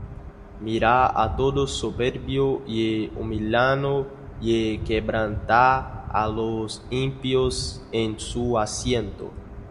Mira á todo soberbio, y humíllalo, Y quebranta á los impíos en su asiento.